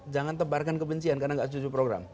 jangan tebarkan kebencian karena nggak setuju program